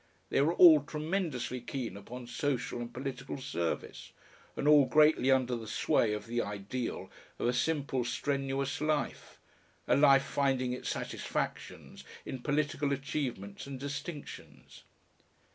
They were all tremendously keen upon social and political service, and all greatly under the sway of the ideal of a simple, strenuous life, a life finding its satisfactions in political achievements and distinctions.